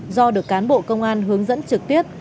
do được cán bộ công an hướng dẫn trực tiếp